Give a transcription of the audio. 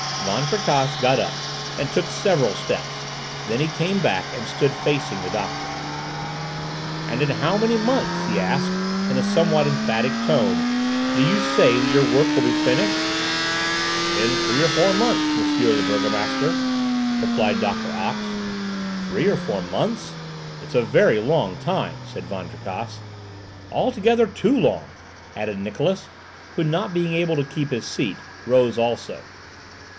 Van Tricasse got up and took several steps; then he came back, and stood facing the doctor. "And in how many months," he asked in a somewhat emphatic tome, "do you say that your work will be finished?" "In three or four months, Monsieur the burgomaster," replied Doctor Ox. "Three or four months,—it's a very long time!" said Van Tricasse. "Altogether too long!" added Niklausse, who, not being able to keep his seat, rose also.